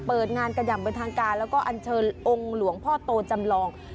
เปิดงานกันอย่างเป็นทางการแล้วก็อันเชิญองค์หลวงพ่อโตจำลอง